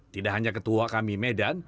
tidak hanya ketua kami medan